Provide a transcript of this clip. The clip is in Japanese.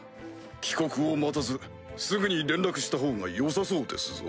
帰国を待たずすぐに連絡したほうがよさそうですぞ。